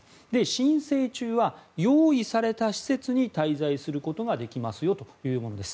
申請中は用意された施設に滞在できますよというものです。